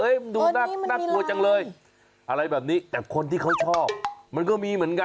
มันดูน่ากลัวจังเลยอะไรแบบนี้แต่คนที่เขาชอบมันก็มีเหมือนกัน